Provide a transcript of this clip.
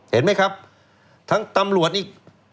เห็นไหมครับทั้งตำรวจนี่